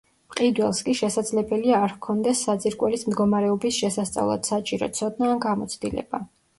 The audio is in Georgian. მყიდველს კი, შესაძლებელია არ ჰქონდეს საძირკველის მდგომარეობის შესასწავლად საჭირო ცოდნა ან გამოცდილება.